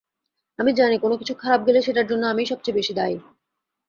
আমি জানি কোনো কিছু খারাপ গেলে সেটার জন্য আমিই সবচেয়ে বেশি দায়ী।